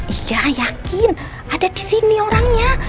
iya yakin ada disini orangnya